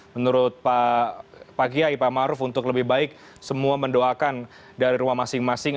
menurut pak kiai pak maruf untuk lebih baik semua mendoakan dari rumah masing masing